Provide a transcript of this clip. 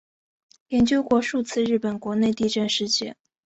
研究过数次日本国内地震事件。